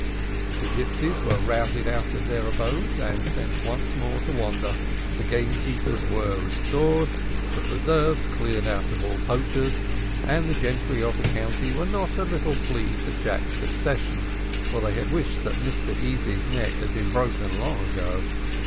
The gipsies were routed out of their abodes, and sent once more to wander. The gamekeepers were restored, the preserves cleared of all poachers, and the gentry of the county were not a little pleased at Jack's succession, for they had wished that Mr Easy's neck had been broken long ago.